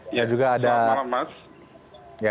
selamat malam mas